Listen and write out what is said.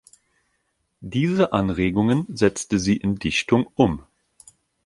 Diese Anregungen setzte sie in Dichtung um.